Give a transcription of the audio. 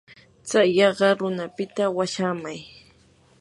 tsay yaqa runapita washaamay.